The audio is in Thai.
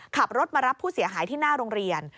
ขับรถมารับผู้เสียหายที่หน้าโรงเรียน